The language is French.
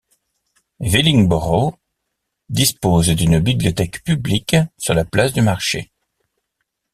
Wellingborough dispose d'une bibliothèque publique sur la place du marché.